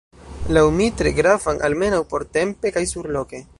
Laŭ mi tre gravan, almenaŭ portempe kaj surloke.